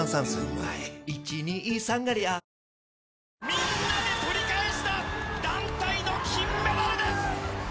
みんなで取り返した団体の金メダルです！